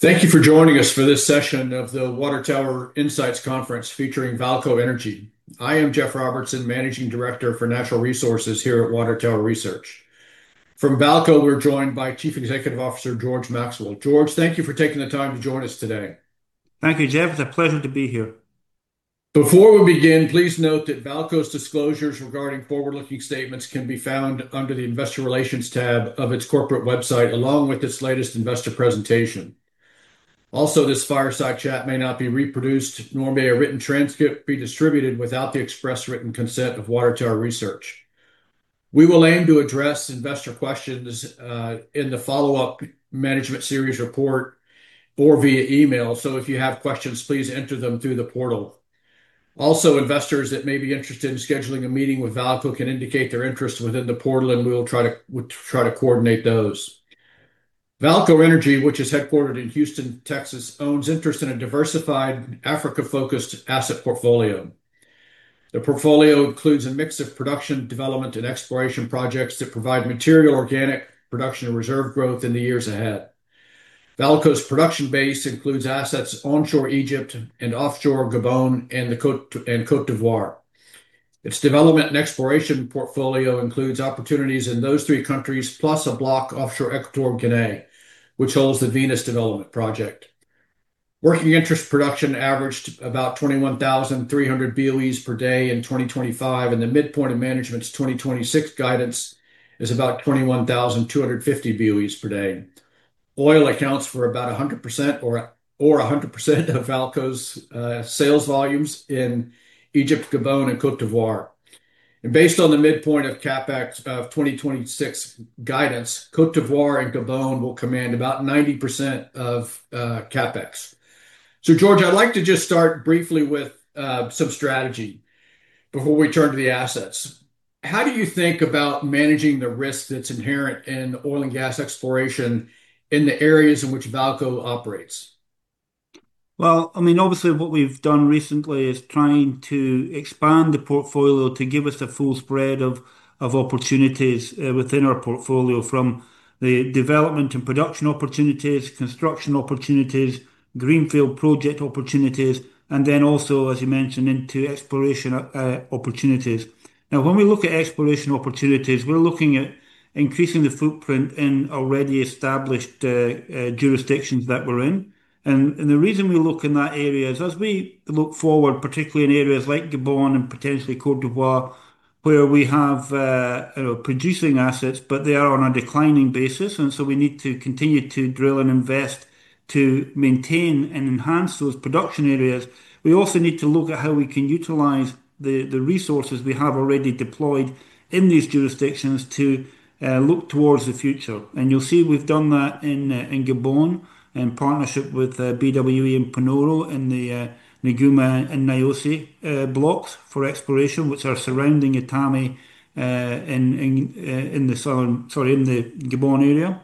Thank you for joining us for this session of the Water Tower Research Insights Conference featuring VAALCO Energy. I am Jeff Robertson, Managing Director for Natural Resources here at Water Tower Research. From VAALCO, we're joined by Chief Executive Officer George Maxwell. George, thank you for taking the time to join us today. Thank you, Jeff. It's a pleasure to be here. Before we begin, please note that VAALCO's disclosures regarding forward-looking statements can be found under the investor relations tab of its corporate website, along with its latest investor presentation. Also, this fireside chat may not be reproduced, nor may a written transcript be distributed without the express written consent of Water Tower Research. We will aim to address investor questions in the follow-up management series report or via email. If you have questions, please enter them through the portal. Also, investors that may be interested in scheduling a meeting with VAALCO can indicate their interest within the portal, and we'll try to coordinate those. VAALCO Energy, which is headquartered in Houston, Texas, owns interest in a diversified Africa-focused asset portfolio. The portfolio includes a mix of production, development, and exploration projects that provide material organic production and reserve growth in the years ahead. VAALCO's production base includes assets onshore Egypt and offshore Gabon and Côte d'Ivoire. Its development and exploration portfolio includes opportunities in those three countries, plus a block offshore Equatorial Guinea, which holds the Venus development project. Working interest production averaged about 21,300 BOEs per day in 2025, and the midpoint of management's 2026 guidance is about 21,250 BOEs per day. Oil accounts for about 100% of VAALCO's sales volumes in Egypt, Gabon, and Côte d'Ivoire. Based on the midpoint of CapEx of 2026 guidance, Côte d'Ivoire and Gabon will command about 90% of CapEx. George, I'd like to just start briefly with some strategy before we turn to the assets. How do you think about managing the risk that's inherent in oil and gas exploration in the areas in which VAALCO operates? Well, obviously what we've done recently is trying to expand the portfolio to give us a full spread of opportunities within our portfolio, from the development and production opportunities, construction opportunities, greenfield project opportunities, and then also, as you mentioned, into exploration opportunities. Now, when we look at exploration opportunities, we're looking at increasing the footprint in already established jurisdictions that we're in. The reason we look in that area is as we look forward, particularly in areas like Gabon and Côte d'Ivoire, where we have producing assets, but they are on a declining basis, and so we need to continue to drill and invest to maintain and enhance those production areas. We also need to look at how we can utilize the resources we have already deployed in these jurisdictions to look towards the future. You'll see we've done that in Gabon in partnership with BW Energy and Panoro in the Guduma and Niosi blocks for exploration, which are surrounding Etame in the Gabon area.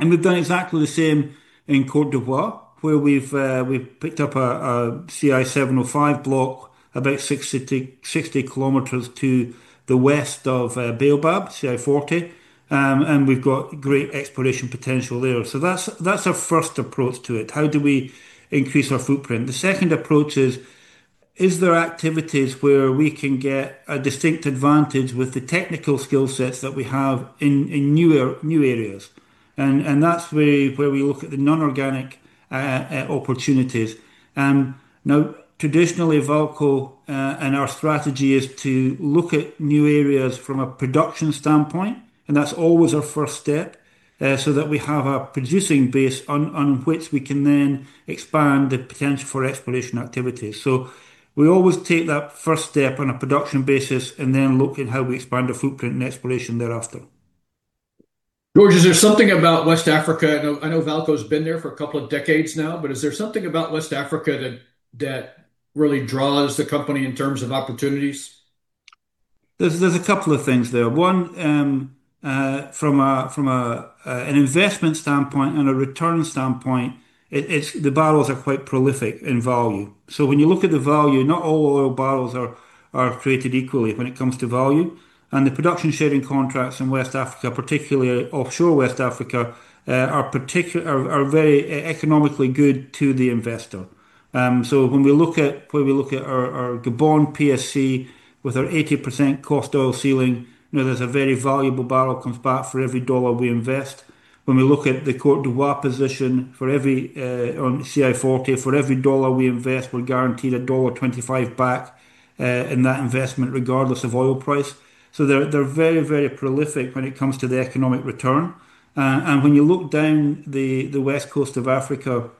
We've done exactly the same in Côte d'Ivoire, where we've picked up a CI-705 Block about 60 km to the west of Baobab, CI-40, and we've got great exploration potential there. That's our first approach to it. How do we increase our footprint? The second approach is there activities where we can get a distinct advantage with the technical skill sets that we have in new areas? That's where we look at the non-organic opportunities. Now, traditionally, VAALCO and our strategy is to look at new areas from a production standpoint, and that's always our first step, so that we have a producing base on which we can then expand the potential for exploration activities. We always take that first step on a production basis and then look at how we expand the footprint and exploration thereafter. George, is there something about West Africa? I know VAALCO's been there for a couple of decades now, but is there something about West Africa that really draws the company in terms of opportunities? There's a couple of things there. One, from an investment standpoint and a return standpoint, the barrels are quite prolific in value. When you look at the value, not all oil barrels are created equally when it comes to value. The production sharing contracts in West Africa, particularly offshore West Africa, are very economically good to the investor. When we look at our Gabon PSC with our 80% cost oil ceiling, there's a very valuable barrel comes back for every dollar we invest. When we look at the Côte d'Ivoire position on CI-40, for every dollar we invest, we're guaranteed a $1.25 back in that investment, regardless of oil price. They're very prolific when it comes to the economic return. When you look down the west coast of Africa,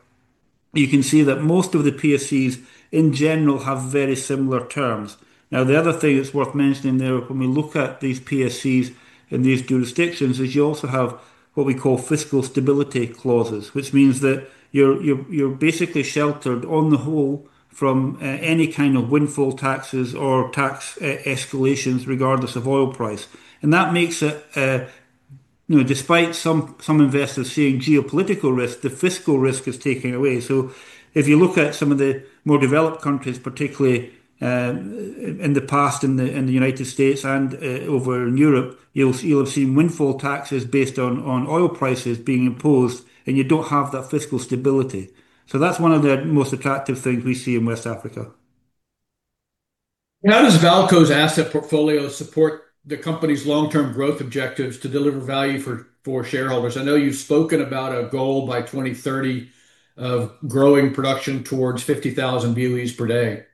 you can see that most of the PSCs in general have very similar terms. Now, the other thing that's worth mentioning there, when we look at these PSCs in these jurisdictions, is you also have what we call fiscal stability clauses, which means that you're basically sheltered on the whole from any kind of windfall taxes or tax escalations, regardless of oil price. That makes it, despite some investors seeing geopolitical risk, the fiscal risk is taken away. If you look at some of the more developed countries, particularly, in the past in the United States and over in Europe, you'll have seen windfall taxes based on oil prices being imposed, and you don't have that fiscal stability. That's one of the most attractive things we see in West Africa. How does VAALCO's asset portfolio support the company's long-term growth objectives to deliver value for shareholders? I know you've spoken about a goal by 2030 of growing production towards 50,000 BOEs per day.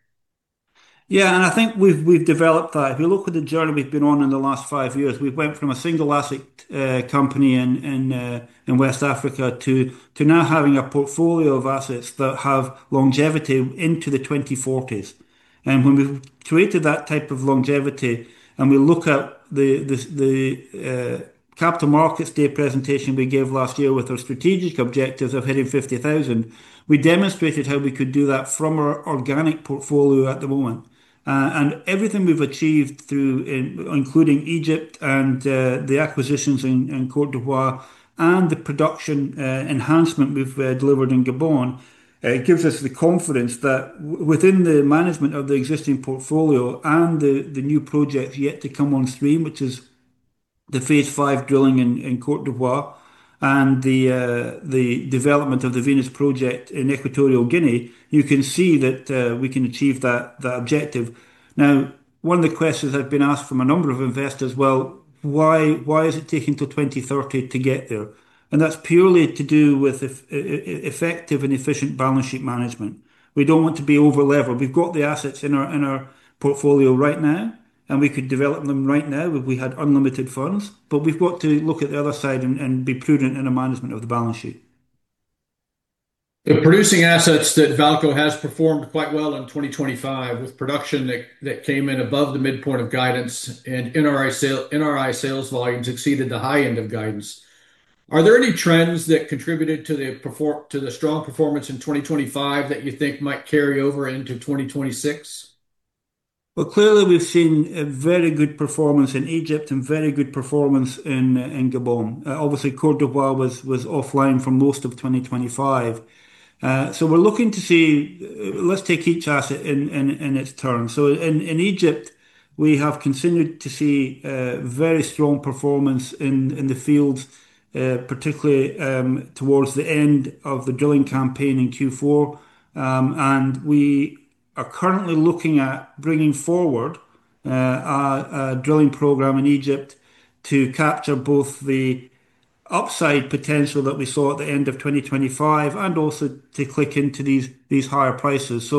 Yeah, I think we've developed that. If you look at the journey we've been on in the last five years, we've went from a single asset company in West Africa to now having a portfolio of assets that have longevity into the 2040s. When we've created that type of longevity, and we look at the Capital Markets Day presentation we gave last year with our strategic objectives of hitting 50,000, we demonstrated how we could do that from our organic portfolio at the moment. Everything we've achieved through including Egypt and the acquisitions in Côte d'Ivoire and the production enhancement we've delivered in Gabon, it gives us the confidence that within the management of the existing portfolio and the new projects yet to come on stream, which is the Phase 5 Drilling in Côte d'Ivoire and the development of the Venus project in Equatorial Guinea, you can see that we can achieve that objective. Now, one of the questions I've been asked from a number of investors, "Well, why is it taking till 2030 to get there?" That's purely to do with effective and efficient balance sheet management. We don't want to be overlevered. We've got the assets in our portfolio right now, and we could develop them right now if we had unlimited funds. We've got to look at the other side and be prudent in the management of the balance sheet. The producing assets that VAALCO has performed quite well in 2025, with production that came in above the midpoint of guidance and NRI sales volumes exceeded the high end of guidance. Are there any trends that contributed to the strong performance in 2025 that you think might carry over into 2026? Well, clearly we've seen a very good performance in Egypt and very good performance in Gabon. Obviously Côte d'Ivoire was offline for most of 2025. We're looking to see, let's take each asset in its turn. In Egypt, we have continued to see very strong performance in the fields, particularly towards the end of the drilling campaign in Q4. We are currently looking at bringing forward our drilling program in Egypt to capture both the upside potential that we saw at the end of 2025 and also to lock into these higher prices.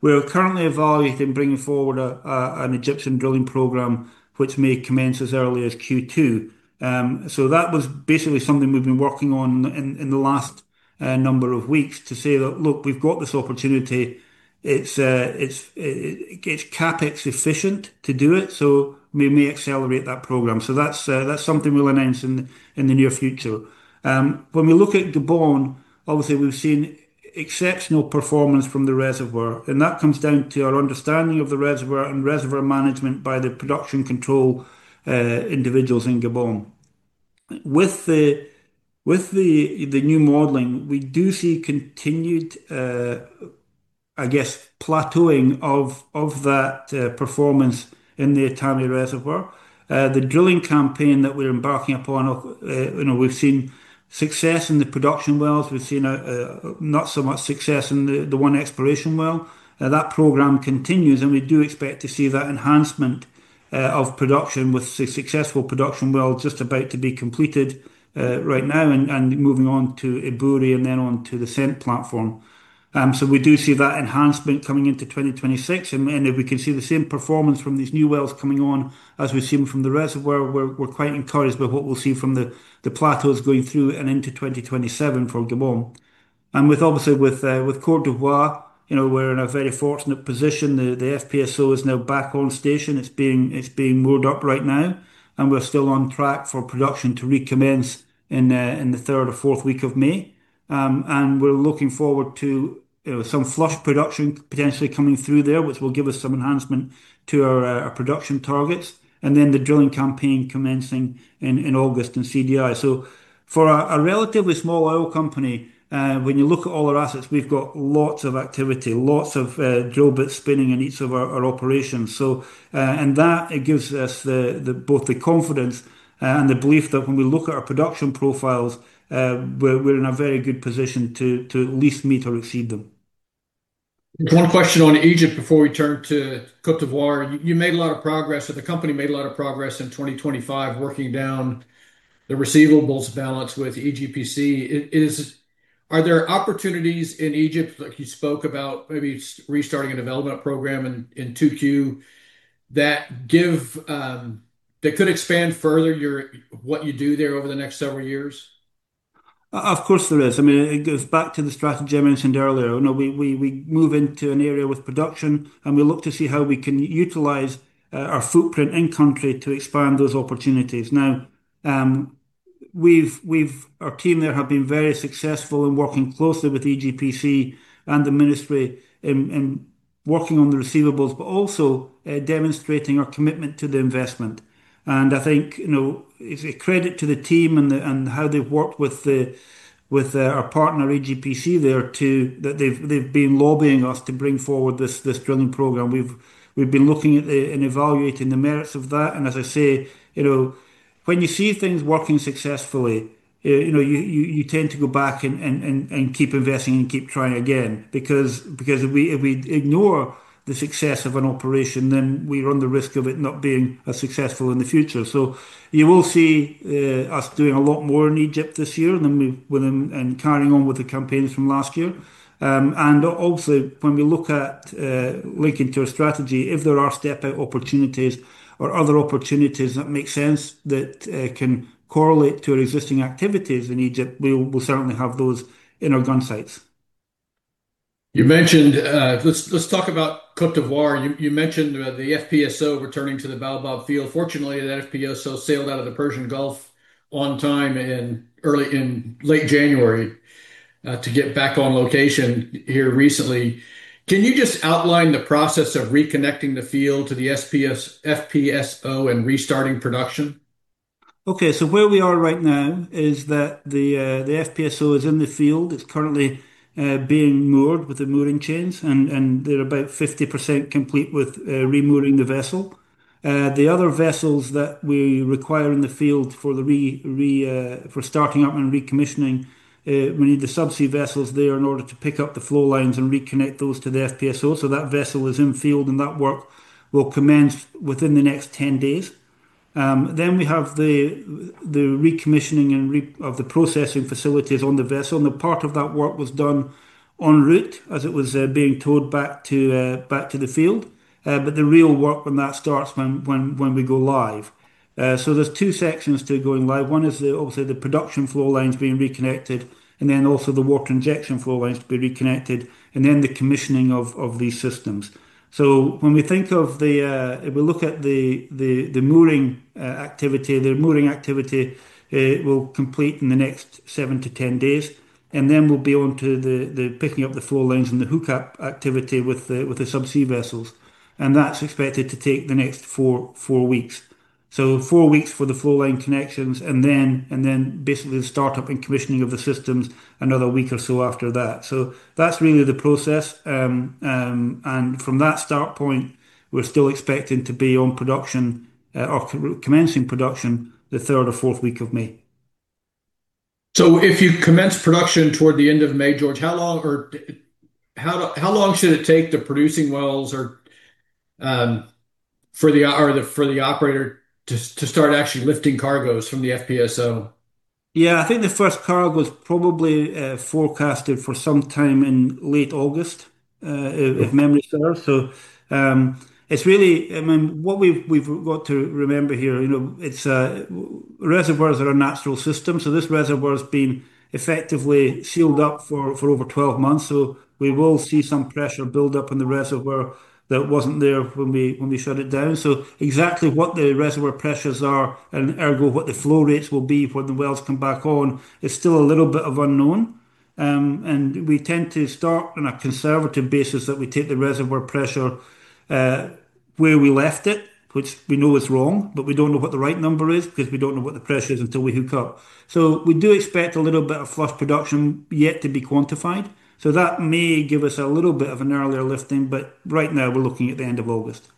We're currently evaluating bringing forward an Egyptian drilling program which may commence as early as Q2. That was basically something we've been working on in the last number of weeks to say that, "Look, we've got this opportunity. It's CapEx efficient to do it, so we may accelerate that program." That's something we'll announce in the near future. When we look at Gabon, obviously we've seen exceptional performance from the reservoir, and that comes down to our understanding of the reservoir and reservoir management by the production control individuals in Gabon. With the new modeling, we do see continued, I guess, plateauing of that performance in the Etame reservoir. The drilling campaign that we're embarking upon, we've seen success in the production wells. We've seen not so much success in the one exploration well. That program continues, and we do expect to see that enhancement of production with the successful production well just about to be completed right now and moving on to Ebouri and then on to the SEENT platform. We do see that enhancement coming into 2026, and if we can see the same performance from these new wells coming on as we've seen from the reservoir, we're quite encouraged by what we'll see from the plateaus going through and into 2027 for Gabon. With obviously Côte d'Ivoire, we're in a very fortunate position. The FPSO is now back on station. It's being moored up right now, and we're still on track for production to recommence in the third or fourth week of May. We're looking forward to some flush production potentially coming through there, which will give us some enhancement to our production targets. Then the drilling campaign commencing in August in CDI. For a relatively small oil company, when you look at all our assets, we've got lots of activity, lots of drill bits spinning in each of our operations. That, it gives us both the confidence and the belief that when we look at our production profiles, we're in a very good position to at least meet or exceed them. One question on Egypt before we turn to Côte d'Ivoire. You made a lot of progress, or the company made a lot of progress in 2025 working down the receivables balance with EGPC. Are there opportunities in Egypt, like you spoke about maybe restarting a development program in 2Q, that could expand further what you do there over the next several years? Of course there is. It goes back to the strategy I mentioned earlier. We move into an area with production, and we look to see how we can utilize our footprint in country to expand those opportunities. Now, our team there have been very successful in working closely with EGPC and the ministry in working on the receivables, but also demonstrating our commitment to the investment. I think it's a credit to the team and how they've worked with our partner, EGPC, there too, that they've been lobbying us to bring forward this drilling program. We've been looking at and evaluating the merits of that. As I say, you know. When you see things working successfully, you tend to go back and keep investing and keep trying again. Because if we ignore the success of an operation, then we run the risk of it not being as successful in the future. You will see us doing a lot more in Egypt this year and carrying on with the campaigns from last year. Also when we look at linking to our strategy, if there are step-out opportunities or other opportunities that make sense that can correlate to our existing activities in Egypt, we'll certainly have those in our gunsights. Let's talk about Côte d'Ivoire. You mentioned the FPSO returning to the Baobab field. Fortunately, that FPSO sailed out of the Persian Gulf on time in late January, to get back on location here recently. Can you just outline the process of reconnecting the field to the FPSO and restarting production? Okay. Where we are right now is that the FPSO is in the field. It's currently being moored with the mooring chains, and they're about 50% complete with re-mooring the vessel. The other vessels that we require in the field for starting up and recommissioning, we need the subsea vessels there in order to pick up the flow lines and reconnect those to the FPSO. That vessel is in the field, and that work will commence within the next 10 days. We have the recommissioning of the processing facilities on the vessel, and the part of that work was done en route as it was being towed back to the field. The real work on that starts when we go live. There's two sections to going live. One is obviously the production flow lines being reconnected, and then also the water injection flow lines to be reconnected, and then the commissioning of these systems. When we look at the mooring activity, the mooring activity will complete in the next seven to 10 days. We'll be on to the picking up the flow lines and the hookup activity with the subsea vessels. That's expected to take the next four weeks. Four weeks for the flow line connections and then basically the startup and commissioning of the systems another week or so after that. That's really the process. From that start point, we're still expecting to be on production or commencing production the third or fourth week of May. If you commence production toward the end of May, George, how long should it take for the producing wells or for the operator to start actually lifting cargoes from the FPSO? Yeah. I think the first cargo is probably forecasted for some time in late August, if memory serves. What we've got to remember here, reservoirs are a natural system. This reservoir's been effectively sealed up for over 12 months. We will see some pressure build up in the reservoir that wasn't there when we shut it down. Exactly what the reservoir pressures are and ergo what the flow rates will be when the wells come back on is still a little bit of unknown. We tend to start on a conservative basis that we take the reservoir pressure, where we left it, which we know is wrong, but we don't know what the right number is because we don't know what the pressure is until we hook up. We do expect a little bit of flush production yet to be quantified. That may give us a little bit of an earlier lifting, but right now we're looking at the end of August.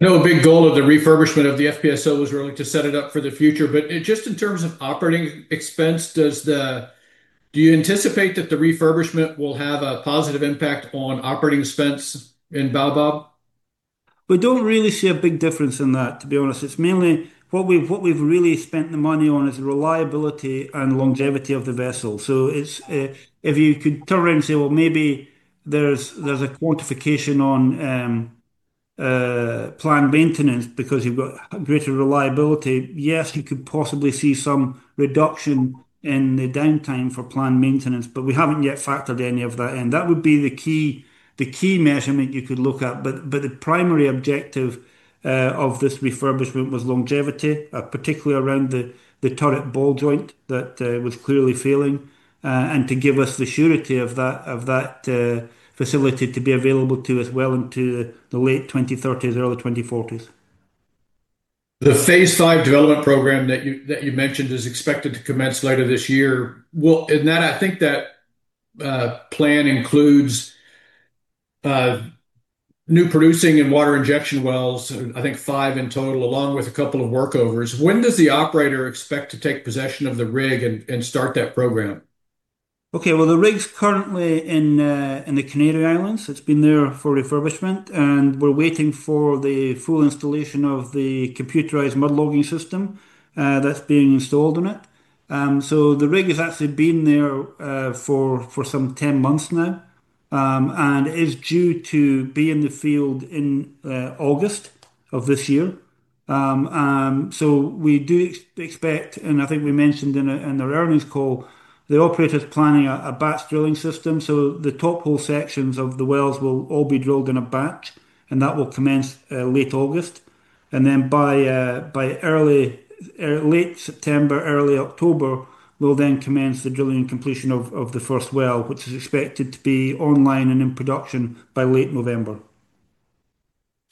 I know a big goal of the refurbishment of the FPSO was really to set it up for the future. Just in terms of operating expense, do you anticipate that the refurbishment will have a positive impact on operating expense in Baobab? We don't really see a big difference in that, to be honest. It's mainly what we've really spent the money on is the reliability and longevity of the vessel. If you could turn around and say, well, maybe there's a quantification on planned maintenance because you've got greater reliability, yes, you could possibly see some reduction in the downtime for planned maintenance, but we haven't yet factored any of that in. That would be the key measurement you could look at, but the primary objective of this refurbishment was longevity, particularly around the turret ball joint that was clearly failing. To give us the surety of that facility to be available to us well into the late 2030s, early 2040s. The Phase 5 development program that you mentioned is expected to commence later this year. Well, in that, I think that plan includes new producing and water injection wells, I think five in total, along with a couple of workovers. When does the operator expect to take possession of the rig and start that program? Okay. Well, the rig's currently in the Canary Islands. It's been there for refurbishment, and we're waiting for the full installation of the computerized mud logging system that's being installed on it. The rig has actually been there for some 10 months now. It is due to be in the field in August of this year. We do expect, and I think we mentioned in our earnings call, the operator's planning a batch drilling system, so the top hole sections of the wells will all be drilled in a batch, and that will commence late August. Then by late September, early October, we'll then commence the drilling and completion of the first well, which is expected to be online and in production by late November.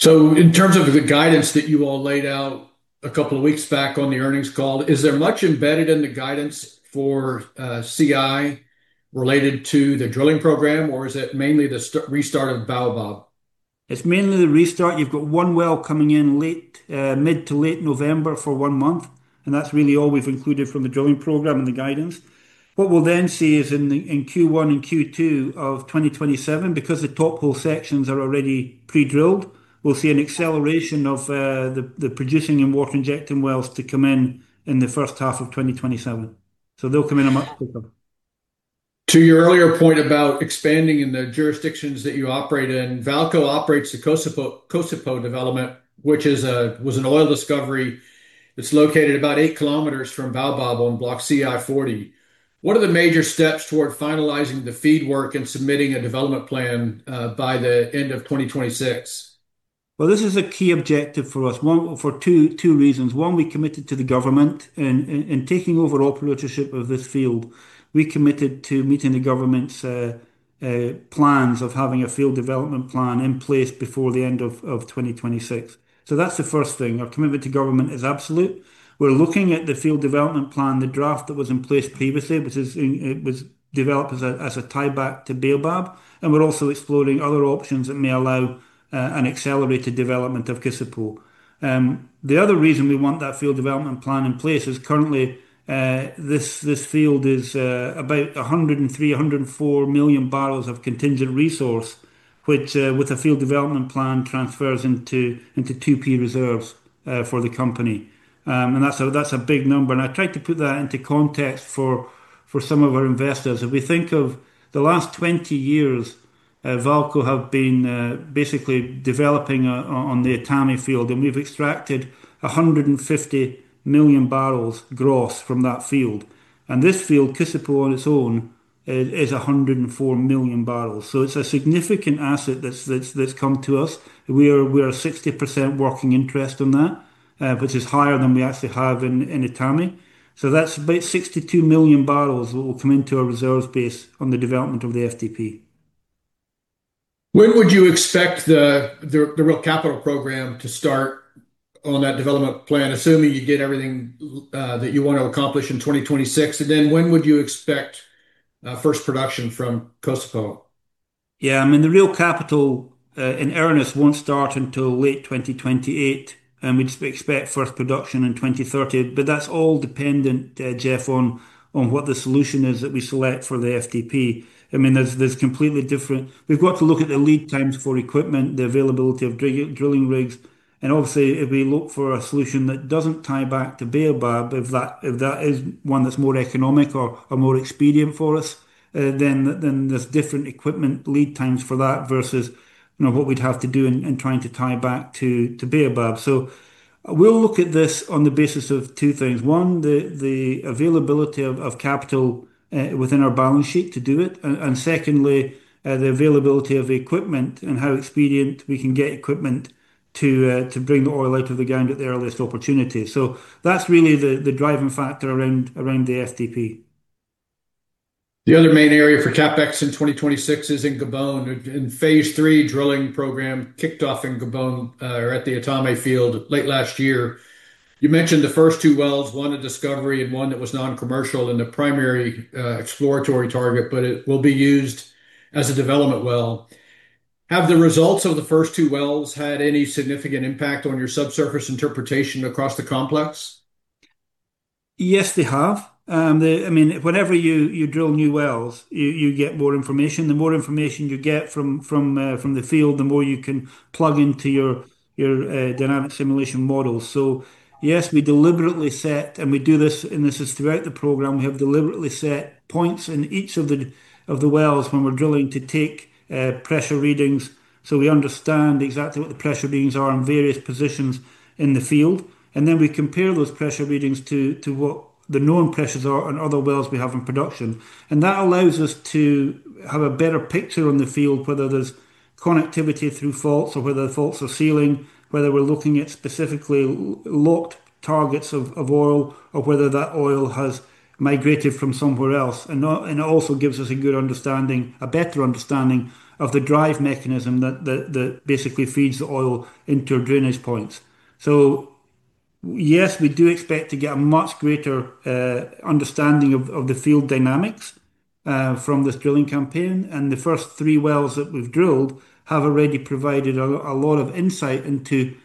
In terms of the guidance that you all laid out a couple of weeks back on the earnings call, is there much embedded in the guidance for CI related to the drilling program, or is it mainly the restart of Baobab? It's mainly the restart. You've got one well coming in mid to late November for one month, and that's really all we've included from the drilling program and the guidance. What we'll then see is in Q1 and Q2 of 2027, because the top hole sections are already pre-drilled, we'll see an acceleration of the producing and water injecting wells to come in in the first half of 2027. They'll come in a month quicker. To your earlier point about expanding in the jurisdictions that you operate in, VAALCO operates the Kossipo development, which was an oil discovery. It's located about 8 km from Baobab on Block CI-40. What are the major steps toward finalizing the FEED work and submitting a development plan by the end of 2026? Well, this is a key objective for us for two reasons. One, we committed to the government in taking over operatorship of this field. We committed to meeting the government's plans of having a field development plan in place before the end of 2026. That's the first thing. Our commitment to government is absolute. We're looking at the field development plan, the draft that was in place previously, which was developed as a tieback to Baobab, and we're also exploring other options that may allow an accelerated development of Kossipo. The other reason we want that field development plan in place is currently, this field is about 103, 104 million barrels of contingent resource, which with a field development plan transfers into 2P reserves for the company. That's a big number. I try to put that into context for some of our investors. If we think of the last 20 years, VAALCO have been basically developing on the Etame field, and we've extracted 150 million barrels gross from that field. This field, Kossipo, on its own, is 104 million barrels. It's a significant asset that's come to us. We are 60% working interest on that, which is higher than we actually have in Etame. That's about 62 million barrels that will come into our reserves base on the development of the FDP. When would you expect the real capital program to start on that development plan, assuming you get everything that you want to accomplish in 2026? And then when would you expect first production from Kossipo? Yeah, I mean, the real capital in earnest won't start until late 2028, and we'd expect first production in 2030. That's all dependent, Jeff, on what the solution is that we select for the FDP. I mean, we've got to look at the lead times for equipment, the availability of drilling rigs, and obviously, if we look for a solution that doesn't tie back to Baobab, if that is one that's more economic or more expedient for us, then there's different equipment lead times for that versus what we'd have to do in trying to tie back to Baobab. We'll look at this on the basis of two things. One, the availability of capital within our balance sheet to do it, and secondly, the availability of equipment and how expedient we can get equipment to bring the oil out of the ground at the earliest opportunity. That's really the driving factor around the FDP. The other main area for CapEx in 2026 is in Gabon. The Phase Three Drilling Program kicked off in Gabon at the Etame field late last year. You mentioned the first two wells, one a discovery and one that was non-commercial in the primary exploratory target, but it will be used as a development well. Have the results of the first two wells had any significant impact on your subsurface interpretation across the complex? Yes, they have. I mean, whenever you drill new wells, you get more information. The more information you get from the field, the more you can plug into your dynamic simulation models. Yes, we deliberately set, and we do this, and this is throughout the program, we have deliberately set points in each of the wells when we're drilling to take pressure readings, so we understand exactly what the pressure readings are in various positions in the field. That allows us to have a better picture on the field, whether there's connectivity through faults or whether faults are sealing, whether we're looking at specifically locked targets of oil or whether that oil has migrated from somewhere else. It also gives us a good understanding, a better understanding of the drive mechanism that basically feeds the oil into our drainage points. Yes, we do expect to get a much greater understanding of the field dynamics from this drilling campaign, and the first three wells that we've drilled have already provided a lot of insight into how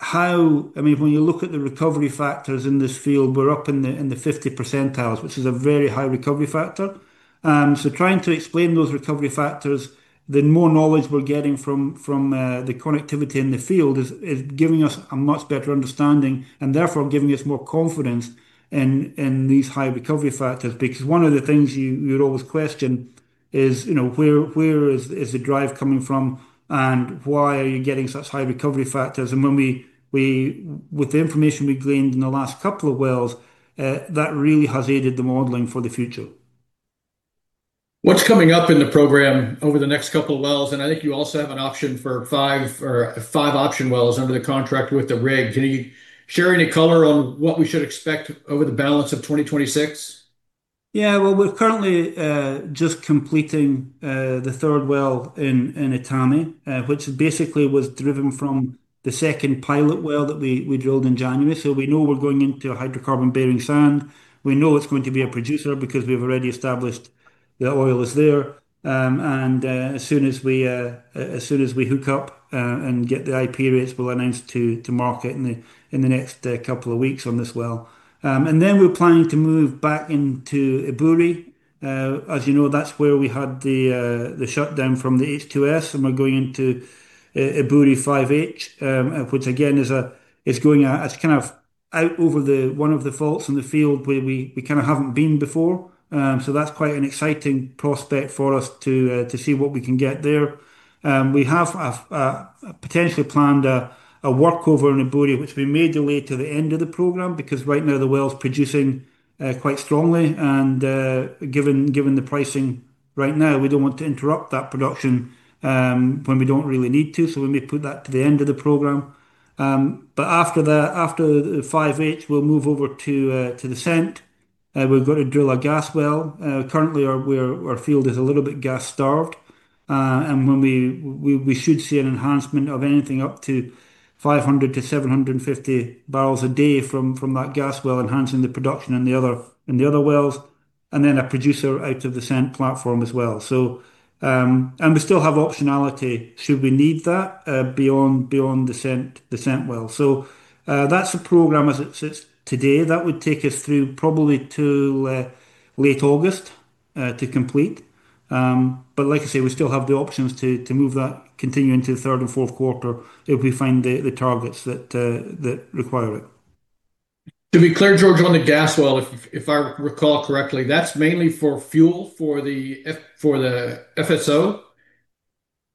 I mean, when you look at the recovery factors in this field, we're up in the 50%, which is a very high recovery factor. Trying to explain those recovery factors, the more knowledge we're getting from the connectivity in the field is giving us a much better understanding and therefore giving us more confidence in these high recovery factors. Because one of the things you'd always question is, where is the drive coming from, and why are you getting such high recovery factors? With the information we gleaned in the last couple of wells, that really has aided the modeling for the future. What's coming up in the program over the next couple of wells, and I think you also have an option for five or five option wells under the contract with the rig. Can you share any color on what we should expect over the balance of 2026? Yeah. Well, we're currently just completing the third well in Etame, which basically was driven from the second pilot well that we drilled in January. We know we're going into a hydrocarbon-bearing sand. We know it's going to be a producer because we've already established. The oil is there, and as soon as we hook up and get the IP rates, we'll announce to market in the next couple of weeks on this well. We're planning to move back into Ebouri. As you know, that's where we had the shutdown from the H2S, and we're going into Ebouri 5-H, which again is going out, it's out over one of the faults in the field where we haven't been before. That's quite an exciting prospect for us to see what we can get there. We have potentially planned a workover in Ebouri, which we may delay to the end of the program, because right now the well's producing quite strongly, and given the pricing right now, we don't want to interrupt that production when we don't really need to. We may put that to the end of the program. After the 5-H, we'll move over to the SEENT. We've got to drill a gas well. Currently, our field is a little bit gas-starved. We should see an enhancement of anything up to 500-750 barrels a day from that gas well enhancing the production in the other wells. Then a producer out of the SEENT platform as well. We still have optionality should we need that, beyond the SEENT well. That's the program as it sits today. That would take us through probably to late August to complete. Like I say, we still have the options to move that continuing to the third and fourth quarter if we find the targets that require it. To be clear, George, on the gas well, if I recall correctly, that's mainly for fuel for the FSO?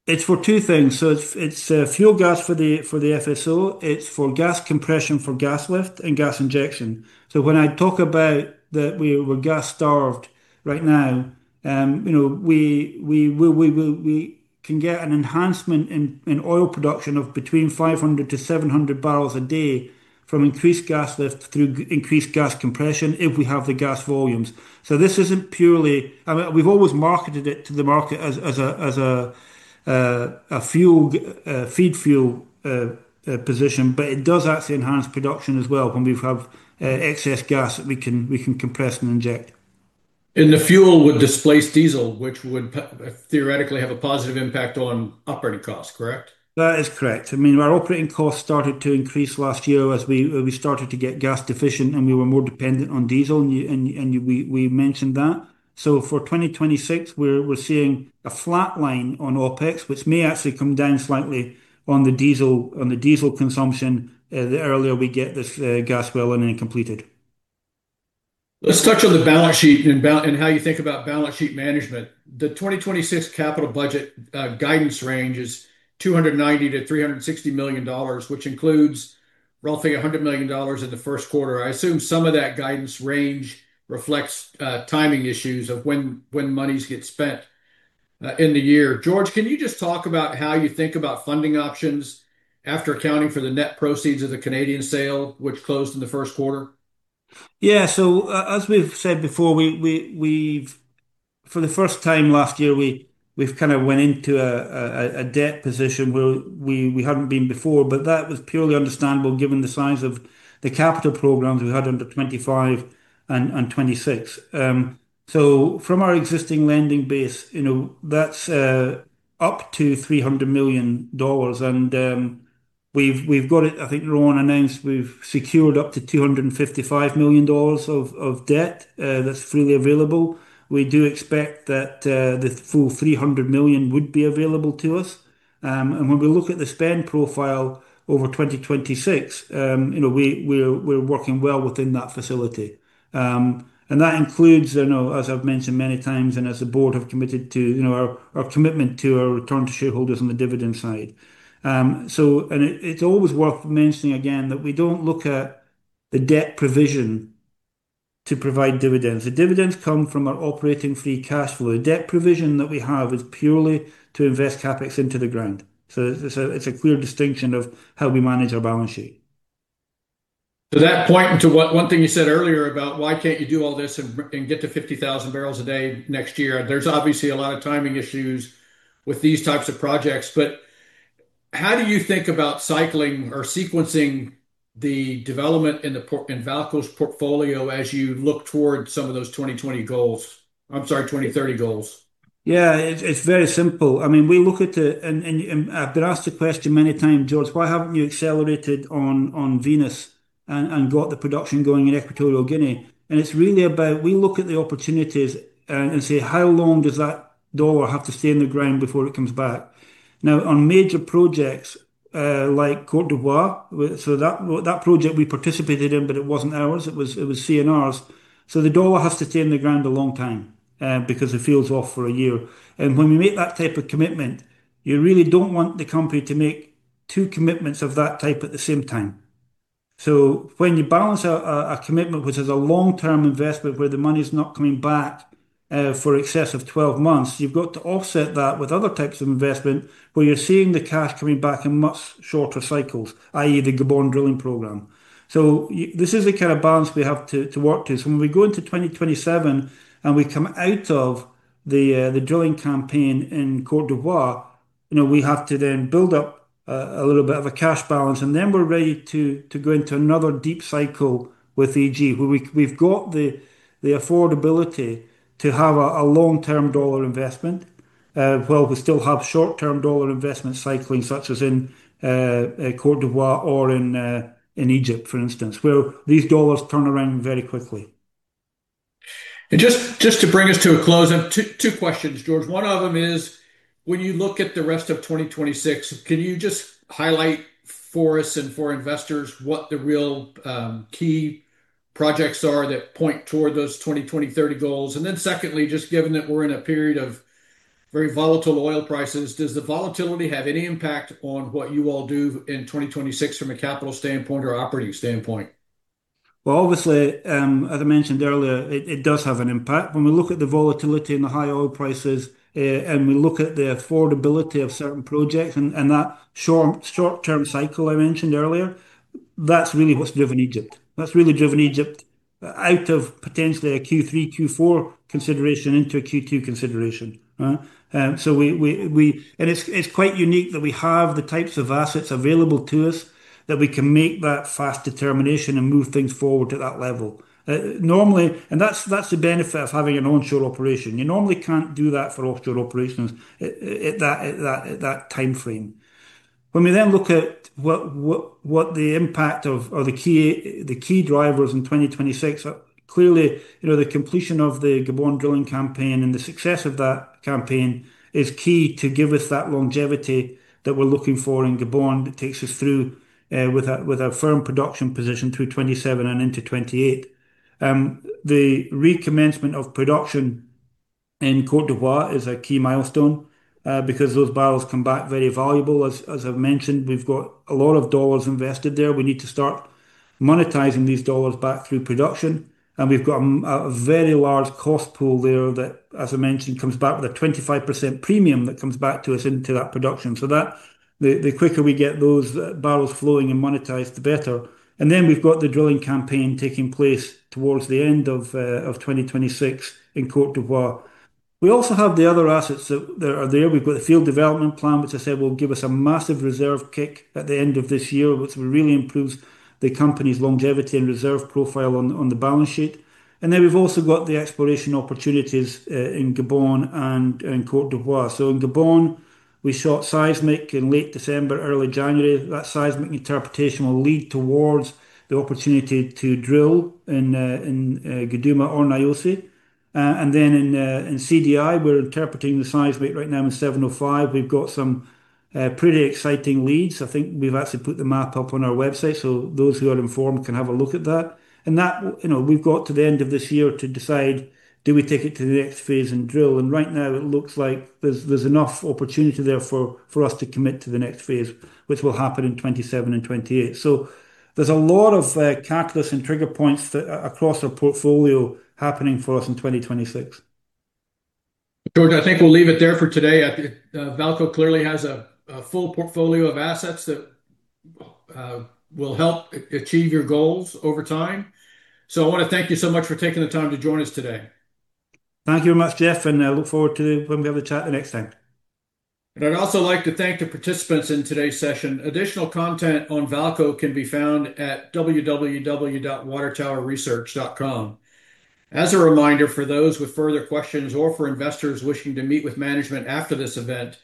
It's for two things. It's fuel gas for the FSO. It's for gas compression for gas lift and gas injection. When I talk about that we're gas-starved right now. We can get an enhancement in oil production of between 500-700 barrels a day from increased gas lift through increased gas compression if we have the gas volumes. This isn't purely. I mean, we've always marketed it to the market as a feed fuel position, but it does actually enhance production as well when we have excess gas that we can compress and inject. The fuel would displace diesel, which would theoretically have a positive impact on operating costs, correct? That is correct. I mean, our operating costs started to increase last year as we started to get gas deficient, and we were more dependent on diesel, and we mentioned that. For 2026, we're seeing a flatline on OpEx, which may actually come down slightly on the diesel consumption, the earlier we get this gas well in and completed. Let's touch on the balance sheet and how you think about balance sheet management. The 2026 capital budget guidance range is $290 million-$360 million, which includes roughly $100 million in the first quarter. I assume some of that guidance range reflects timing issues of when monies get spent in the year. George, can you just talk about how you think about funding options after accounting for the net proceeds of the Canadian sale, which closed in the first quarter? Yeah. As we've said before, for the first time last year, we've went into a debt position where we hadn't been before, but that was purely understandable given the size of the capital programs we had under 2025 and 2026. From our existing lending base, that's up to $300 million. We've got it, I think Rowan announced we've secured up to $255 million of debt that's freely available. We do expect that the full $300 million would be available to us. When we look at the spend profile over 2026, we're working well within that facility. That includes, as I've mentioned many times, and as a Board have committed to our commitment to our return to shareholders on the dividend side. It's always worth mentioning again, that we don't look at the debt provision to provide dividends. The dividends come from our operating free cash flow. The debt provision that we have is purely to invest CapEx into the ground. It's a clear distinction of how we manage our balance sheet. Does that point to one thing you said earlier about why can't you do all this and get to 50,000 barrels a day next year? There's obviously a lot of timing issues with these types of projects, but how do you think about cycling or sequencing the development in VAALCO's portfolio as you look toward some of those 2020 goals, I'm sorry, 2030 goals? Yeah. It's very simple. I mean, we look at the. I've been asked the question many times, George, why haven't you accelerated on Venus and got the production going in Equatorial Guinea? It's really about, we look at the opportunities and say, how long does that dollar have to stay in the ground before it comes back? Now, on major projects, like Côte d'Ivoire, so that project we participated in, but it wasn't ours, it was CNR's. So the dollar has to stay in the ground a long time, because the field's off for a year. When we make that type of commitment, you really don't want the company to make two commitments of that type at the same time. When you balance a commitment, which is a long-term investment where the money's not coming back for excess of 12 months, you've got to offset that with other types of investment where you're seeing the cash coming back in much shorter cycles, i.e., the Gabon drilling program. This is the kind of balance we have to work to. When we go into 2027, and we come out of the drilling campaign in Côte d'Ivoire. We have to then build up a little bit of a cash balance, and then we're ready to go into another deep cycle with EG, where we've got the affordability to have a long-term dollar investment, while we still have short-term dollar investment cycling, such as in Côte d'Ivoire or in Egypt, for instance, where these dollars turn around very quickly. Just to bring us to a close, two questions, George. One of them is, when you look at the rest of 2026, can you just highlight for us and for investors what the real key projects are that point toward those 2020-2030 goals? Then secondly, just given that we're in a period of very volatile oil prices, does the volatility have any impact on what you all do in 2026 from a capital standpoint or operating standpoint? Well, obviously, as I mentioned earlier, it does have an impact. When we look at the volatility and the high oil prices, and we look at the affordability of certain projects and that short-term cycle I mentioned earlier, that's really what's driven Egypt. That's really driven Egypt out of potentially a Q3, Q4 consideration into a Q2 consideration. It's quite unique that we have the types of assets available to us, that we can make that fast determination and move things forward to that level. That's the benefit of having an onshore operation. You normally can't do that for offshore operations at that timeframe. When we then look at what the impact of the key drivers in 2026 are. Clearly, the completion of the Gabon drilling campaign and the success of that campaign is key to give us that longevity that we're looking for in Gabon, that takes us through with a firm production position through 2027 and into 2028. The recommencement of production in Côte d'Ivoire is a key milestone, because those barrels come back very valuable. As I've mentioned, we've got a lot of dollars invested there. We need to start monetizing these dollars back through production, and we've got a very large cost pool there that, as I mentioned, comes back with a 25% premium that comes back to us into that production. The quicker we get those barrels flowing and monetized, the better. Then we've got the drilling campaign taking place towards the end of 2026 in Côte d'Ivoire. We also have the other assets that are there. We've got the field development plan, which I said will give us a massive reserve kick at the end of this year, which really improves the company's longevity and reserve profile on the balance sheet. We've also got the exploration opportunities in Gabon and in Côte d'Ivoire. In Gabon, we shot seismic in late December, early January. That seismic interpretation will lead towards the opportunity to drill in Guduma or Niosi. In CDI, we're interpreting the seismic right now in CI-705. We've got some pretty exciting leads. I think we've actually put the map up on our website, so those who are informed can have a look at that. That, we've got to the end of this year to decide, do we take it to the next phase and drill? Right now it looks like there's enough opportunity there for us to commit to the next phase, which will happen in 2027 and 2028. There's a lot of catalyst and trigger points across our portfolio happening for us in 2026. George, I think we'll leave it there for today. VAALCO clearly has a full portfolio of assets that will help achieve your goals over time. I want to thank you so much for taking the time to join us today. Thank you very much, Jeff, and I look forward to when we have a chat the next time. I'd also like to thank the participants in today's session. Additional content on VAALCO can be found at www.watertowerresearch.com. As a reminder for those with further questions or for investors wishing to meet with management after this event,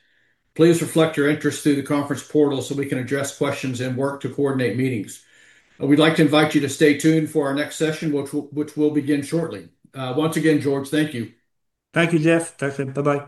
please reflect your interest through the conference portal so we can address questions and work to coordinate meetings. We'd like to invite you to stay tuned for our next session, which will begin shortly. Once again, George, thank you. Thank you, Jeff. Thanks then. Bye-bye.